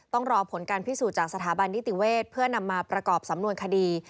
ต้องรอผลการพิสูจน์จากสถาบันนิติเวศเพื่อนำมาประกอบสำนวนคดี